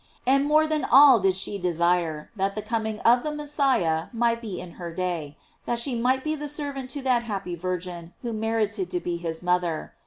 And more than all did she desire that the coming of the Messiah might be in her day, that she might be the servant to that happy Virgin Avho merited to be his mother.